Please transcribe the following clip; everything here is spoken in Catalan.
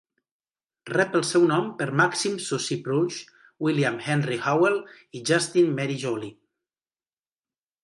Rep el seu nom per Maxim Soucy-Proulx, William Henry Howell i Justin Marie Jolly.